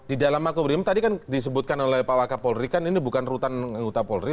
di dalam maka brimob tadi kan disebutkan oleh pak waka polri kan ini bukan rutan nguta polri